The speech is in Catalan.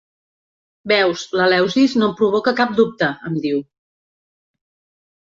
Veus, l'Eleusis no em provoca cap dubte —em diu—.